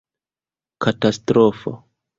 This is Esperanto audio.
katastrofo